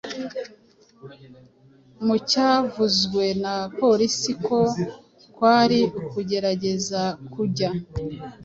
mu cyavuzwe na polisi ko kwari ukugerageza kujya